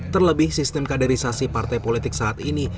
terlebih sistem kaderisasi partai politik saat ini